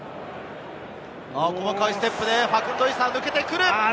細かいステップでファクンド・イサ、抜けてくる！